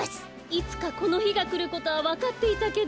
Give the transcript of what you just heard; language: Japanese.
いつかこのひがくることはわかっていたけど。